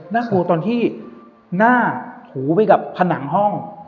น่ากลัวตอนที่หน้าถูไปกับผนังห้อง